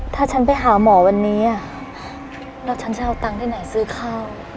ถ้าฉันไปหาหมอวันนี้แล้วฉันจะเอาตังค์ที่ไหนซื้อข้าว